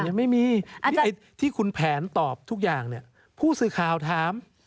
ยังไม่มีที่คุณแผนตอบทุกอย่างพูดสื่อข่าวถาม